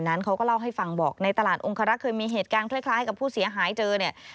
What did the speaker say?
นั้นเขาก็เล่าให้ฟังบอกในตลาดองคารักษ์เคยมีเหตุการณ์คล้ายกับผู้เสียหายเจอเนี่ย